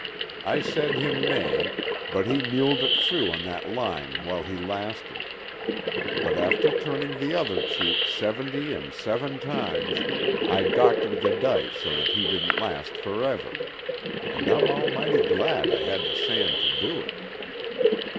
I said him nay, but he muled it through on that line while he lasted; but after turning the other cheek seventy and seven times I doctored the dice so that he didn't last forever. And I'm almighty glad I had the sand to do it."